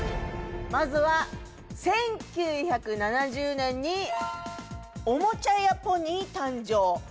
まずは１９７０年におもちゃ屋ポニー誕生